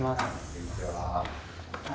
こんにちは。